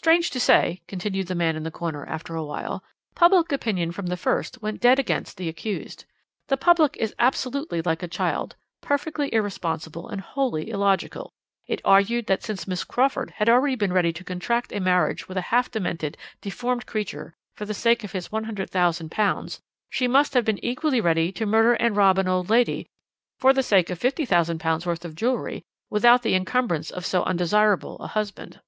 "Strange to say," continued the man in the corner after a while, "public opinion from the first went dead against the accused. The public is absolutely like a child, perfectly irresponsible and wholly illogical; it argued that since Miss Crawford had been ready to contract a marriage with a half demented, deformed creature for the sake of his £100,000 she must have been equally ready to murder and rob an old lady for the sake of £50,000 worth of jewellery, without the encumbrance of so undesirable a husband.